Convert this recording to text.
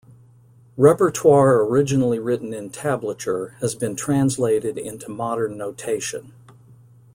Repertoire originally written in tablature has been translated into modern notation.